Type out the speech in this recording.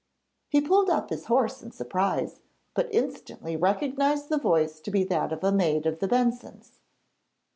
He pulled up his horse in surprise, but instantly recognised the voice to be that of a maid of the Bensons.